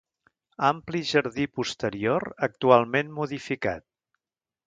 Ampli jardí posterior actualment modificat.